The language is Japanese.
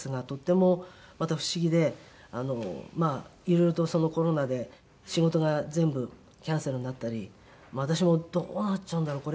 いろいろとコロナで仕事が全部キャンセルになったり私もどうなっちゃうんだろう？